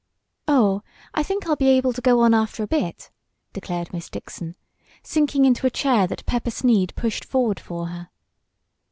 "Oh, I think I'll be able to go on after a bit," declared Miss Dixon, sinking into a chair that Pepper Sneed pushed forward for her.